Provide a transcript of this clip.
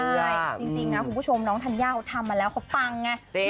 ใช่จริงนะคุณผู้ชมน้องธัญญาเขาทำมาแล้วเขาปังไง